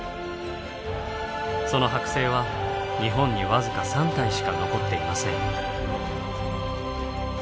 その剥製は日本に僅か３体しか残っていません。